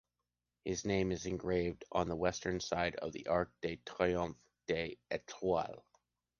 His name is engraved on the Western side of the Arc de Triomphe de l’Étoile.